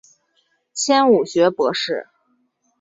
迁武学博士。